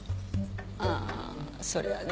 ああそりゃあね